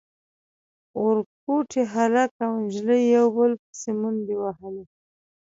ورکوټي هلک او نجلۍ يو بل پسې منډې وهلې.